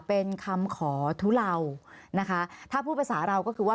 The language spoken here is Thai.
เป็นคำขอทุเลานะคะถ้าพูดภาษาเราก็คือว่า